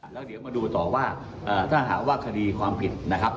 แล้วเดี๋ยวมาดูต่อว่าถ้าหากว่าคดีความผิดนะครับ